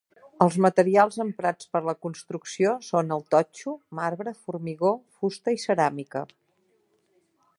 Els materials emprats per la construcció són el totxo, marbre, formigó, fusta i ceràmica.